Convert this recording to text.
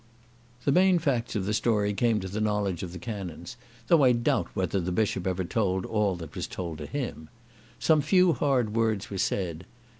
The main facts of the story came to the knowledge of the canons, though I doubt whether the Bishop ever told all that was told to him. Some few hard words were said.